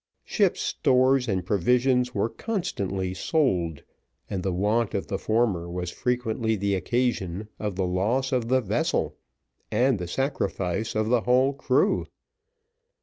Ship's stores and provisions were constantly sold, and the want of the former was frequently the occasion of the loss of the vessel, and the sacrifice of the whole crew.